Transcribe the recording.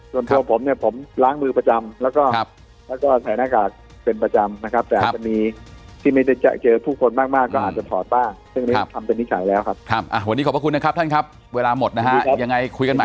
ส่วนตัวผมผมล้างมือประจำแล้วก็ใส่หน้ากากเป็นประจำนะครับ